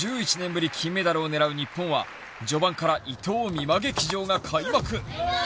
ぶり金メダルを狙う日本は序盤から伊藤美誠劇場が開幕。